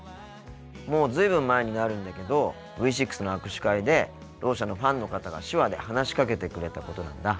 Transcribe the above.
もう随分前になるんだけどＶ６の握手会でろう者のファンの方が手話で話しかけてくれたことなんだ。